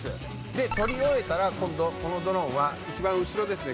で撮り終えたら今度このドローンは一番後ろですね